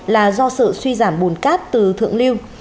là do sự suy giảm bùn cát từ thượng lưu